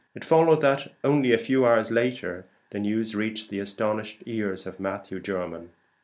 It followed that only a few hours later the news reached the astonished ears of Matthew Jermyn.